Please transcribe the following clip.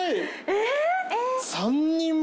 えっ？